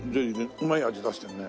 うまい味出してるね。